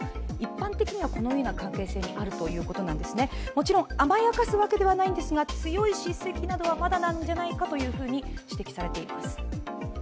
もちろん甘やかすわけではないんですが、強い叱責などはまだなんじゃないかと指摘されています。